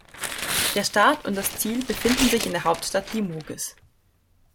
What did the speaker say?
Der Start und das Ziel befinden sich in der Hauptstadt Limoges.